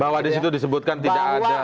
bahwa di situ disebutkan tidak ada